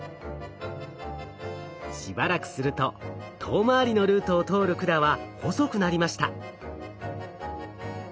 しばらくすると遠回りのルートを通る管は細くなりました。